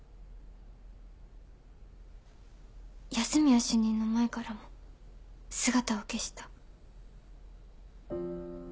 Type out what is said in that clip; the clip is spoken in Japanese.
安洛主任の前からも姿を消した。